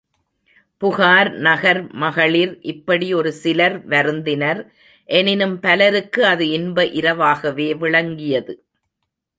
புகார் நகர் மகளிர் இப்படி ஒரு சிலர் வருந்தினர் எனினும் பலருக்கு அது இன்ப இரவாகவே விளங்கியது.